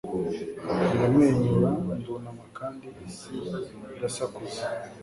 Ndamwenyura ndunama kandi isi irasakuza